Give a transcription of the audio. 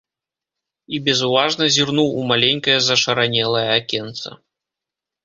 І безуважна зірнуў у маленькае зашаранелае акенца.